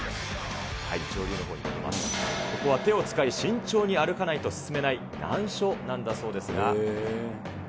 ここは手を使い、慎重に歩かないと進めない、難所なんだそうですが。